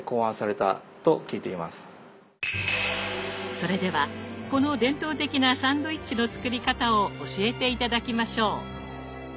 それではこの伝統的なサンドイッチの作り方を教えて頂きましょう！